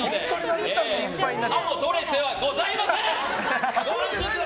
歯も取れてはございません！